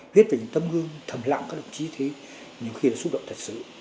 viết về những tấm gương thầm lặng các đồng chí thì nhiều khi là xúc động thật sự